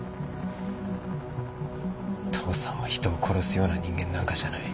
父さんは人を殺すような人間なんかじゃない。